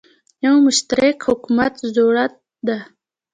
یو مشترک حکومت زوروت ده